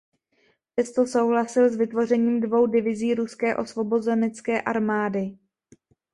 Přesto souhlasil s vytvořením dvou divizí Ruské osvobozenecké armády.